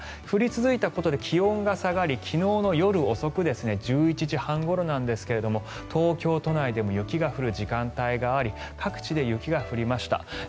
降り続いたことで気温が下がり昨日の夜遅く１１時半ごろなんですが東京都内でも雪が降る時間帯があり各地で雪が降りました。